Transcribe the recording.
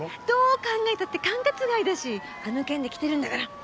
どう考えたって管轄外だしあの件で来てるんだから。